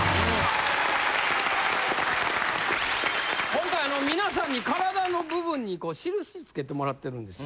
今回皆さんに体の部分に印つけてもらってるんですよ。